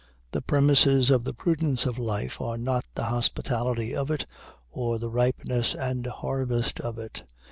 The premises of the prudence of life are not the hospitality of it, or the ripeness and harvest of it.